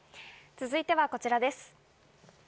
続いてはこちらです。